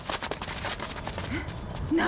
えっ何？